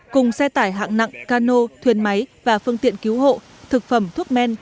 cùng xe tải hạng nặng cano thuyền máy và phương tiện cứu hộ thực phẩm thuốc men